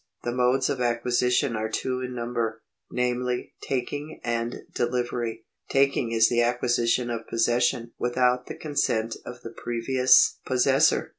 The modes of acquisition are two in number, namely Taking and Delivery. Taking is the acquisition of possession without the consent of the previous 1 :5. 41. 2. 3. 5. § 103] POSSESSION 257 possessor.